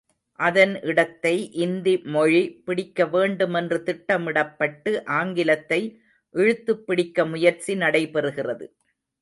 அதன் இடத்தை இந்தி மொழி பிடிக்க வேண்டும் என்று திட்டமிடப்பட்டு ஆங்கிலத்தை இழுத்துப்பிடிக்க முயற்சி நடைபெறுகிறது.